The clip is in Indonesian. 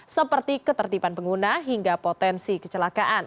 seperti ketertiban pengguna hingga potensi kecelakaan